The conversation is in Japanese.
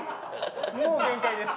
もう限界です。